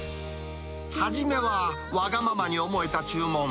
初めはわがままに思えた注文。